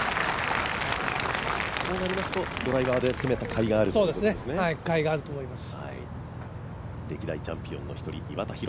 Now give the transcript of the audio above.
こうなりますとドライバーでせめたかいがあると思います。